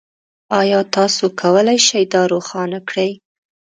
ایا تاسو کولی شئ دا روښانه کړئ؟